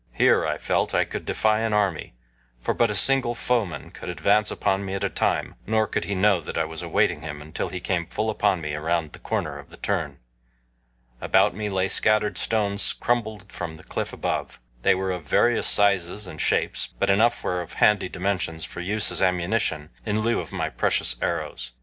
Here, I felt, I could defy an army, for but a single foeman could advance upon me at a time, nor could he know that I was awaiting him until he came full upon me around the corner of the turn. About me lay scattered stones crumbled from the cliff above. They were of various sizes and shapes, but enough were of handy dimensions for use as ammunition in lieu of my precious arrows.